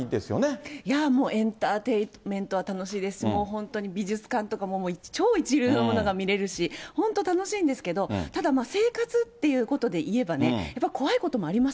もう、エンターテインメントは楽しいですし、もう本当に美術も超一流のものが見れるし、本当、楽しいんですけど、ただ、生活っていうことで言えばね、やっぱり怖いこともあります。